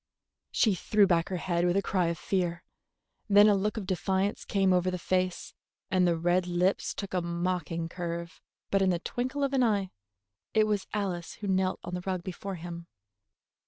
She threw back her head with a cry of fear. Then a look of defiance came over the face, and the red lips took a mocking curve; but in the twinkle of an eye it was Alice who knelt on the rug before him.